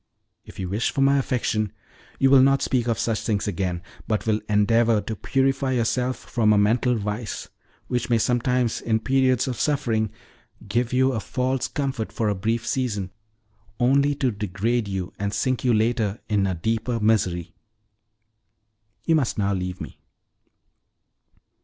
If you wish for my affection, you will not speak of such things again, but will endeavor to purify yourself from a mental vice, which may sometimes, in periods of suffering, give you a false comfort for a brief season, only to degrade you, and sink you later in a deeper misery. You must now leave me."